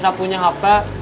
biasa punya hp